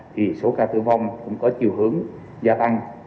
thì số ca tử vong cũng có chiều hướng gia tăng